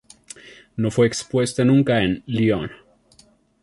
No fue expuesta nunca en Lyon.